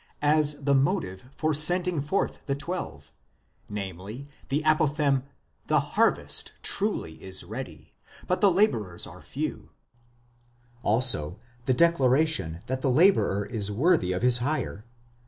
as the motive for sending forth the twelve, namely, the apothegm, Zhe Aarvest truly is ready, but the labourers are few; also the declaration that the labourer is worthy of his hire (v.